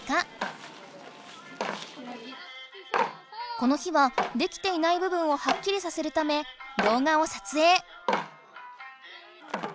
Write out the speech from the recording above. この日はできていない部分をはっきりさせるため動画をさつえい。